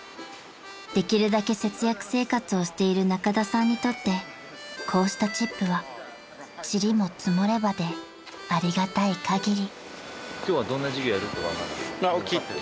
［できるだけ節約生活をしている仲田さんにとってこうしたチップはちりも積もればでありがたいかぎり］